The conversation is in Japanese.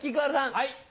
はい。